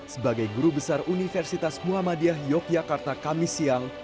sebagai guru besar universitas muhammadiyah yogyakarta kamis siang